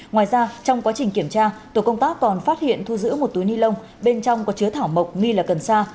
ngoài ra trong quá trình kiểm tra tổ công tác còn phát hiện thu giữ một túi ni lông bên trong có chứa thảo mộc nghi là cần sa